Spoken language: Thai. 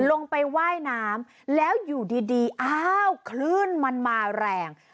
ลงไปว่ายน้ำแล้วอยู่ดีอ้าวคลื่นมันมาแรง